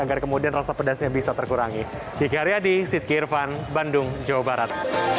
agar kemudian rasa pedasnya bisa terkurangi jika ria di sitkirvan bandung jawa barat